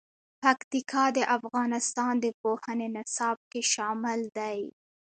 پکتیکا د افغانستان د پوهنې نصاب کې شامل دي.